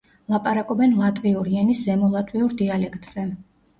ლაპარაკობენ ლატვიური ენის ზემო ლატვიურ დიალექტზე.